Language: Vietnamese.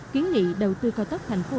kiến nghị đầu tư cao tóc tp hcm